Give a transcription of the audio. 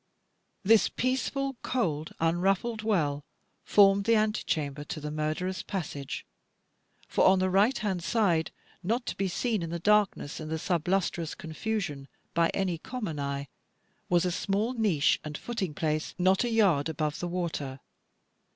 This peaceful, cold, unruffled well, formed the antechamber to the murderer's passage. For on the right hand side, not to be seen in the darkness, and the sublustrous confusion, by any common eye, was a small niche and footing place not a yard above the water.